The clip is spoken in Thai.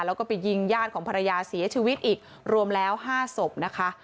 แล้วก็ไปยิงญาติของภรรยาเสียชีวิตอีกรวมแล้ว๕ศพนะคะ